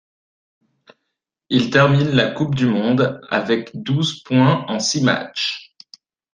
Il termine la coupe du monde avec douze points en six machs.